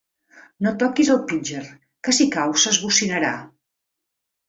No toquis el pitxer, que si cau s'esbocinarà.